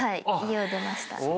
家を出ました。